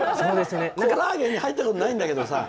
コラーゲンに入ったことはないんだけどさ。